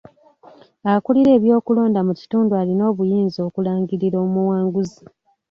Akulira eby'okulonda mu kitundu alina obuyinza okulangirira omuwanguzi.